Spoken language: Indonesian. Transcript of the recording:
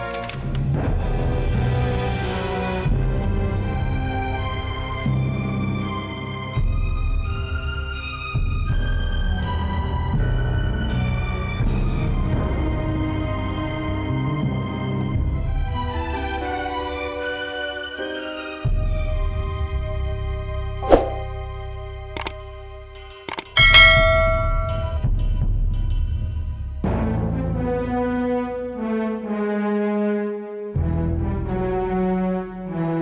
nah ambar dan epita